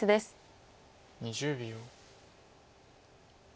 ２０秒。